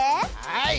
はい。